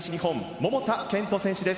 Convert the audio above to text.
桃田賢斗選手です。